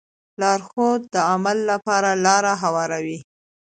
لارښود د عمل لپاره لاره هواروي.